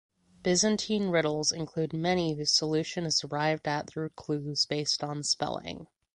Byzantine riddles include many whose solution is arrived at through clues based on spelling.